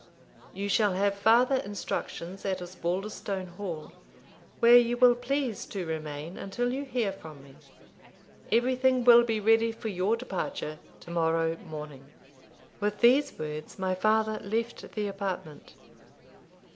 You shall have farther instructions at Osbaldistone Hall, where you will please to remain until you hear from me. Everything will be ready for your departure to morrow morning." With these words my father left the apartment.